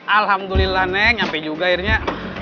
alhamdulillah neng nyampe juga akhirnya